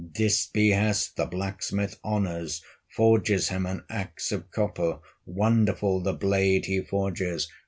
This behest the blacksmith honors, Forges him an axe of copper, Wonderful the blade he forges.